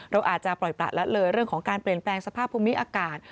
เราอาจจะปล่อยประละเลยเรื่องของการเปลี่ยนแปลงสภาพภูมิอากาศ